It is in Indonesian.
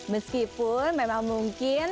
meskipun memang mungkin